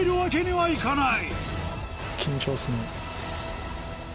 はい。